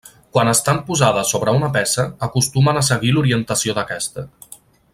Quan estan posades sobre una peça, acostumen a seguir l'orientació d'aquesta.